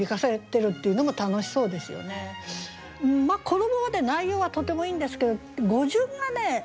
このままで内容はとてもいいんですけど語順がね。